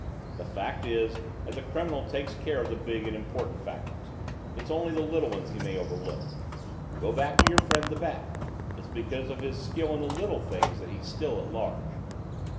The fact is that the criminal takes care of the big and important factors. It's only the little ones he may overlook. To go back to your friend the Bat, it's because of his skill in little things that he's still at large."